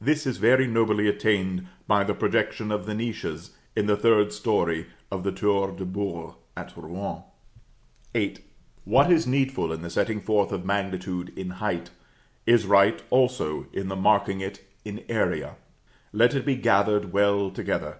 This is very nobly attained by the projection of the niches in the third story of the Tour de Beurre at Rouen. VIII. What is needful in the setting forth of magnitude in height, is right also in the marking it in area let it be gathered well together.